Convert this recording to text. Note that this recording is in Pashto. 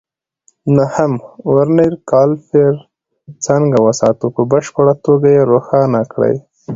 نهم: ورنیر کالیپر څنګه وساتو؟ په بشپړه توګه یې روښانه کړئ.